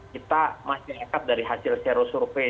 kita masih ekat dari hasil sero survei